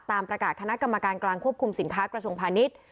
ตามประกาศคณะกรรมการกลางควบคุมสินค้ากระทรวงพาณิชย์